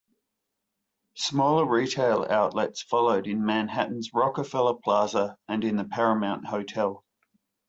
Smaller retail outlets followed in Manhattan's Rockefeller Plaza and in the Paramount Hotel.